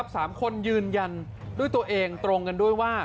นี่แหละครับ๓คนยืนยันด้วยตัวเองตรงกันด้วยว่า